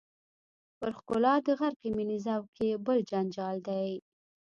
پر ښکلا د غرقې مینې ذوق یې بل جنجال دی.